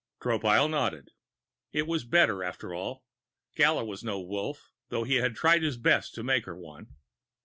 Tropile nodded. That was better, after all. Gala was no Wolf, though he had tried his best to make her one.